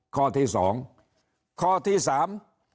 ข้อที่สองข้อที่สาม